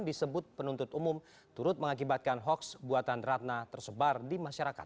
disebut penuntut umum turut mengakibatkan hoaks buatan ratna tersebar di masyarakat